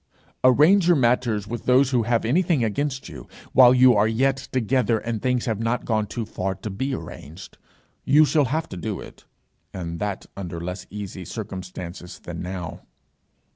Arrange your matters with those who have anything against you, while you are yet together and things have not gone too far to be arranged; you will have to do it, and that under less easy circumstances than now.